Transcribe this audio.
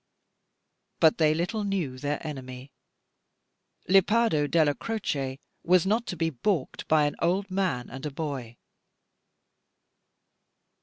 But they little knew their enemy. Lepardo Della Croce was not to be baulked by an old man and a boy.